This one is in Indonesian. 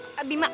eh eh bima